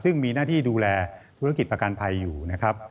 ซึ่งมีหน้าที่ดูแลธุรกิจประกันภัยอยู่นะครับ